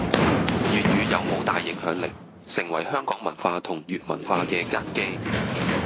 粵語有好大影響力，成為香港文化同粵文化嘅根基